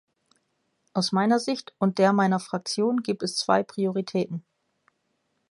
Aus meiner Sicht und der meiner Fraktion gibt es zwei Prioritäten.